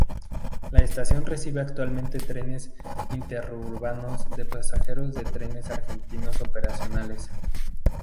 La estación recibe actualmente trenes interurbanos de pasajeros de Trenes Argentinos Operaciones.